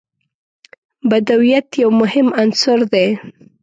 بدویت یو مهم عنصر دی.